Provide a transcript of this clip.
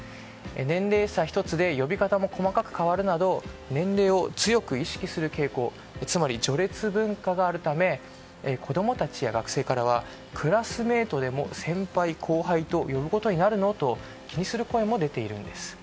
年齢差１つで呼び方も細かく変わるなど年齢を強く意識する傾向つまり序列文化があるため子供たちや学生からはクラスメートでも先輩・後輩と呼ぶことになるの？と気にする声も出ているんです。